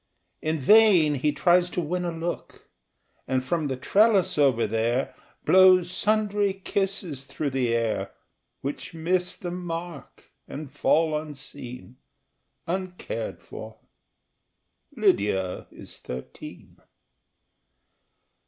In vain he tries to win a look, And from the trellis over there Blows sundry kisses through the air, Which miss the mark, and fall unseen, Uncared for. Lydia is thirteen.